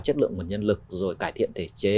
chất lượng nguồn nhân lực rồi cải thiện thể chế